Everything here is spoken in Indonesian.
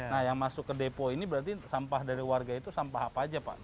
nah yang masuk ke depo ini berarti sampah dari warga itu sampah apa aja pak